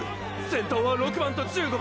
先頭は６番と１５番！